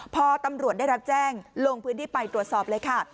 พอตำรวจได้รับแจ้งลงพื้นที่ไปตรวจสอบเลยค่ะ